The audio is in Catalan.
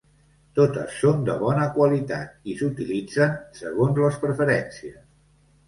Totes són de bona qualitat i s'utilitzen segons les preferències.